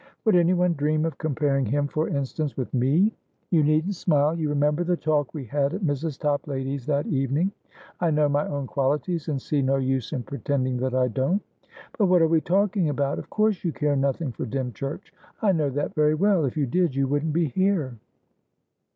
Would anyone dream of comparing him, for instance, with me? You needn't smile. You remember the talk we had at Mrs. Toplady's, that evening. I know my own qualities, and see no use in pretending that I don't. But what are we talking about! Of course you care nothing for Dymchurch. I know that very well. If you did, you wouldn't be here."